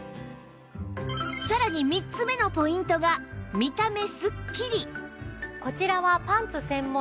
さらに３つ目のポイントが見た目スッキリ！